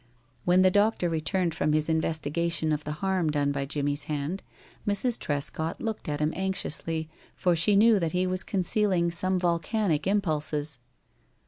When the doctor returned from his investigation of the harm done by Jimmie's hand, Mrs. Trescott looked at him anxiously, for she knew that he was concealing some volcanic impulses.